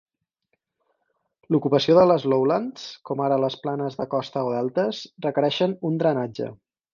L'ocupació de les Lowlands, com ara a les planes de costa o deltes, requereixen un drenatge.